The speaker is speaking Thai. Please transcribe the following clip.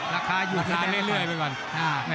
ลักษณะอย่าพึ่งมาลักษณะเรื่อยไปก่อน